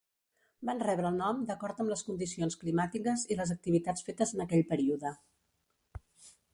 Van rebre el nom d'acord amb les condicions climàtiques i les activitats fetes en aquell període.